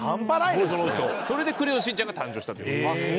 それで『クレヨンしんちゃん』が誕生したという。